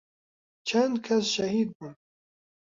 چەند کەس شەهید بوون